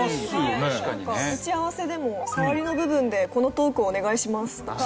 打ち合わせでも「さわりの部分でこのトークをお願いします」とか。